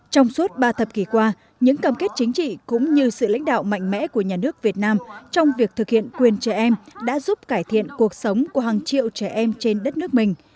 trong suốt ba thập kỷ qua những cầm kết chính trị cũng như sự lãnh đạo mạnh mẽ của nhà nước việt nam trong việc thực hiện quyền trẻ em đã giúp cải thiện cuộc sống của hàng triệu trẻ em trên đất nước mình